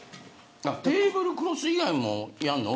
テーブルクロス以外もやるの。